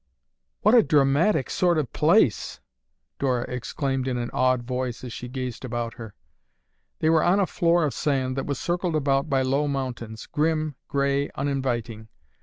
"What a dramatic sort of place!" Dora exclaimed in an awed voice as she gazed about her. They were on a floor of sand that was circled about by low mountains, grim, gray, uninviting.